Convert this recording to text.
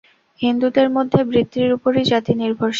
হিন্দুদের মধ্যে বৃত্তির উপরই জাতি নির্ভরশীল।